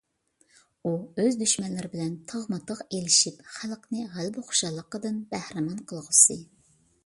ئۇ ئۆز دۈشمەنلىرى بىلەن تىغمۇتىغ ئېلىشىپ، خەلقنى غەلىبە خۇشاللىقىدىن بەھرىمەن قىلغۇسى.